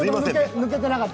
抜けてなかった。